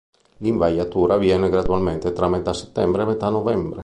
L'invaiatura avviene gradualmente tra metà settembre e metà novembre.